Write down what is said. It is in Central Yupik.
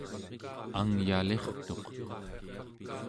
angyalirtuq